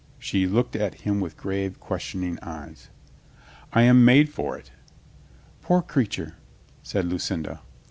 she looked at him with grave, questioning eyes. "I am made for it." "Poor creature," said Lucinda.